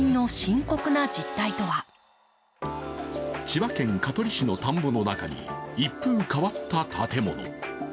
千葉県香取市の田んぼの中に一風変わった建物。